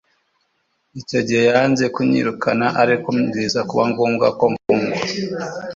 icyo gihe yanze kunyirukana, ariko biza kuba ngombwa ko mfungwa